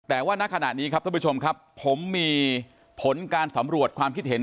แต่ว่าณขณะนี้ครับท่านผู้ชมครับผมมีผลการสำรวจความคิดเห็น